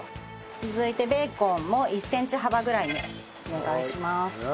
続いてベーコンも１センチ幅ぐらいにお願いします。